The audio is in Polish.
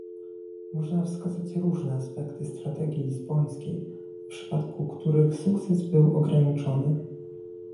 Można wskazać różne aspekty strategii lizbońskiej, w przypadku których sukces był ograniczony